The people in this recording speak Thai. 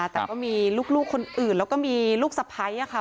แต่ก็มีลูกคนอื่นแล้วก็มีลูกสะพ้ายค่ะ